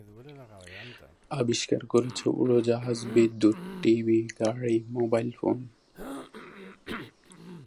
আবিষ্কার করেছে উড়ােজাহাজ, বিদ্যুৎ, টি.ভি. গাড়ি, মোবাইল ফোন।